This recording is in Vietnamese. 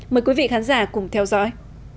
mời quý vị khán giả cùng theo dõi